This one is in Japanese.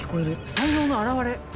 才能の現れ。